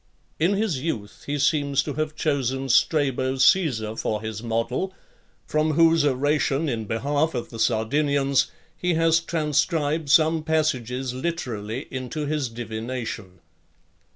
In his youth, he seems to have chosen Strabo Caesar for his model; from whose oration in behalf of the Sardinians he has transcribed some passages literally into his Divination.